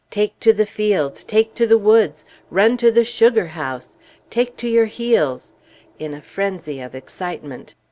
Take to the fields! Take to the woods! Run to the sugar house! Take to your heels!" in a frenzy of excitement.